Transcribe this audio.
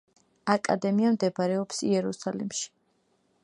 აკადემია მდებარეობს იერუსალიმში.